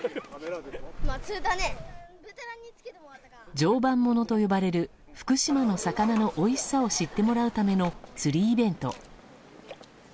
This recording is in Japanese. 常磐ものと呼ばれる福島の魚のおいしさを知ってもらうための釣りイベント。